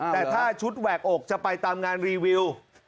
แต่ถ้าชุดแหวกอกจะไปตามงานรีวิว